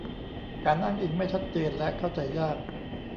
การอ้างอิงไม่ชัดเจนและเข้าใจยาก